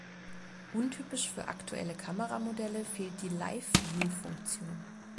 Untypisch für aktuelle Kameramodelle fehlt die Live-View-Funktion.